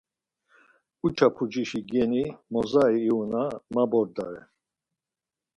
Uça pucişi geni mozari ivuna ma bordare.